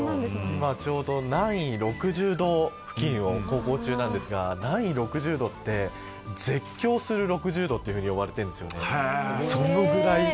今ちょうど南緯６０度付近を航行中なんですが南緯６０度って、絶叫する６０度と呼ばれているんですよね。